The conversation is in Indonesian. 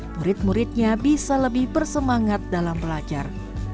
murid muridnya bisa lebih bersemangat dalam belajar